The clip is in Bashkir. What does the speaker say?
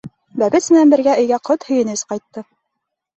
Бәпес менән бергә өйгә ҡот-һөйөнөс ҡайтты.